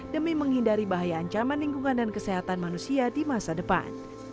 demi menghindari bahaya ancaman lingkungan dan kesehatan manusia di masa depan